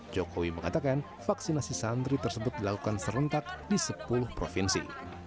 jokowi mengatakan vaksinasi santri tersebut dilakukan serentak di sepuluh provinsi